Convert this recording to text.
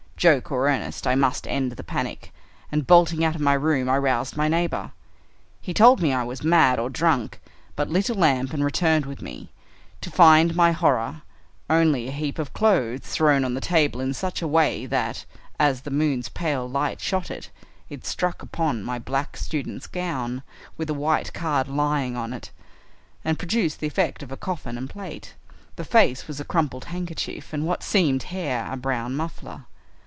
Joke or earnest, I must end the panic, and bolting out of my room I roused my neighbor. He told me I was mad or drunk, but lit a lamp and returned with me, to find my horror only a heap of clothes thrown on the table in such a way that, as the moon's pale light shot it, it struck upon my black student's gown, with a white card lying on it, and produced the effect of a coffin and plate. The face was a crumpled handkerchief, and what seemed hair a brown muffler.